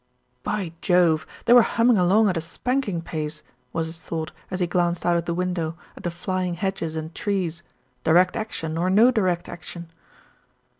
By Jove ! They were humming along at a spanking pace, was his thought as he glanced out of the window at^ the flying hedges and trees, Direct Action or no Direct Action.